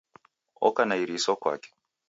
Oka na iriso kwake.